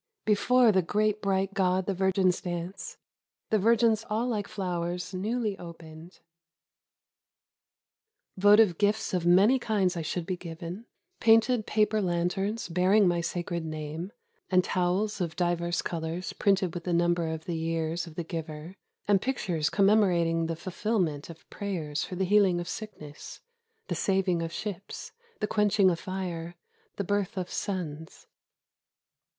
^'Before the great bright God the virgins dance, — the virgins all like flowers newly opened." ... Votive gifts of many kinds I should be given : painted paper lanterns bearing my sacred name, and towels of divers colors printed with the number of the years of the giver, and pictures commemorating the fulfillment of prayers for the healing of sickness, the saving of ships, the quenching of fire, the birth of sons.